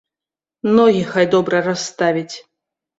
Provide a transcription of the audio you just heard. Ногі хай добра расставіць.